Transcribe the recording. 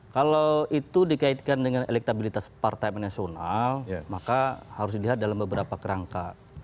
kalau itu dikaitkan dengan elektabilitas partai nasional maka harus dilihat dalam beberapa kerangka